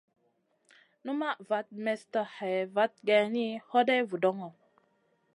Numaʼ vat mestn hè vat geyni, hoday vudoŋo.